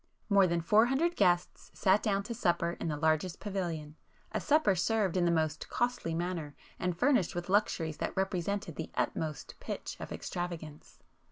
More than four hundred guests sat down to supper in the largest pavilion,—a supper served in the most costly manner and furnished with luxuries that represented the utmost pitch [p 283] of extravagance.